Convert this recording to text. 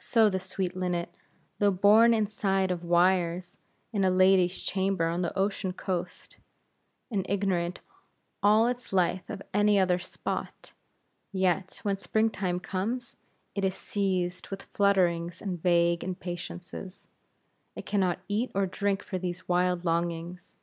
So the sweet linnet, though born inside of wires in a lady's chamber on the ocean coast, and ignorant all its life of any other spot; yet, when spring time comes, it is seized with flutterings and vague impatiences; it can not eat or drink for these wild longings.